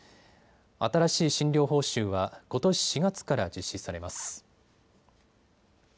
新しい診療報酬はことし４月から実施されます。